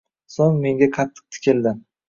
So‘ng menga qattiq tikildi